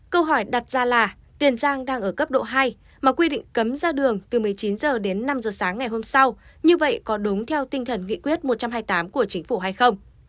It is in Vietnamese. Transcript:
câu hỏi đặt ra là tiền giang đang ở cấp độ hai mà quy định cấm ra đường từ một mươi chín h đến năm h sáng ngày hôm sau như vậy có đúng theo tinh thần nghị quyết một trăm hai mươi tám của chính phủ hay không